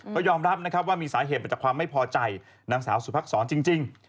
ก็ยอมรับนะครับว่ามีสาเหตุมาจากความไม่พอใจนางสาวสุภักษรจริง